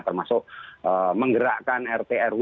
termasuk menggerakkan rt rw